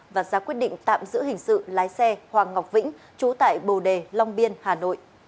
và ra quyết định tạm giữ hình sự lái xe hoàng ngọc vĩnh trú tại bồ đề long biên hà nội